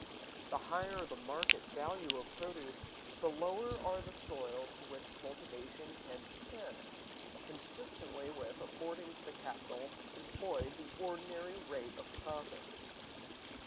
The higher the market value of produce, the lower are the soils to which cultivation can descend, consistently with affording to the capital employed the ordinary rate of profit.